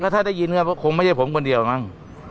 ถ้าได้ยินก็คงไม่ใช่ผมคนเดียวมั้ง